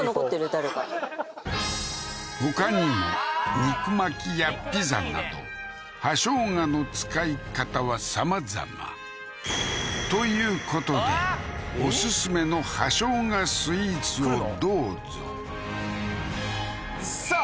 誰かほかにも肉巻きやピザなど葉生姜の使い方はさまざまということでオススメの葉生姜スイーツをどうぞさあ